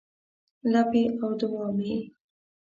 لپې او دوعا مې یې